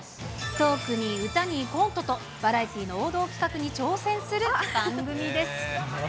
トークに歌にコントと、バラエティーの王道企画に挑戦する番組です。